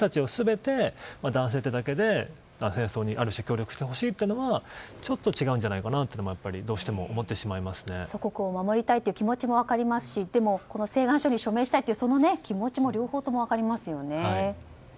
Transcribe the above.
その人たち全て男性というだけで戦争に協力してほしいというのはちょっと違うんじゃないかなと祖国を守りたいという気持ちも分かりますしでも、請願書に署名したいという気持ちも両方とも分かりますよね。